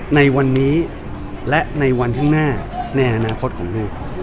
ในวันนี้และในวันข้างหน้าในอนาคตของลูก